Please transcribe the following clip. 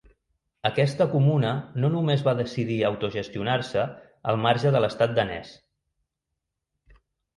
Aquesta comuna no només va decidir autogestionar-se al marge de l’estat danès.